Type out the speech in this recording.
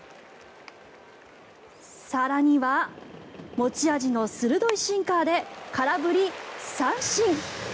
更には、持ち味の鋭いシンカーで空振り三振。